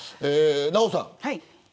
ナヲさん。